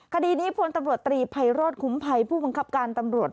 คดีนี้พลตำรวจตรีภัยโรธคุ้มภัยผู้บังคับการตำรวจ